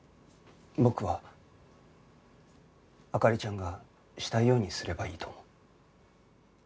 僕は灯ちゃんがしたいようにすればいいと思う。